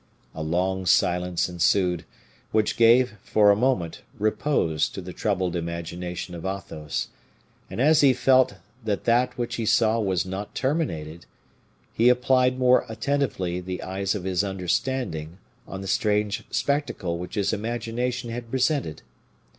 A long silence ensued, which gave, for a moment, repose to the troubled imagination of Athos; and as he felt that that which he saw was not terminated, he applied more attentively the eyes of his understanding on the strange spectacle which his imagination had presented.